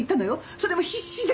それも必死で。